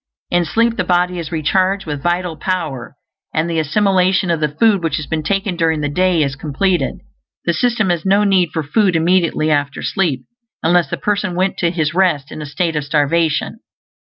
In sleep the body is recharged with vital power, and the assimilation of the food which has been taken during the day is completed; the system has no need for food immediately after sleep, unless the person went to his rest in a state of starvation.